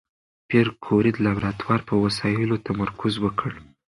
پېیر کوري د لابراتوار په وسایلو تمرکز وکړ.